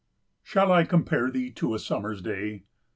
Shall I compare thee to a summer's day?